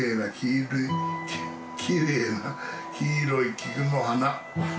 きれいな黄色い菊の花。